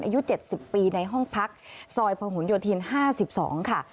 อายุ๗๐ปีในห้องพักซอยพหนโยธิน๕๒ค่ะ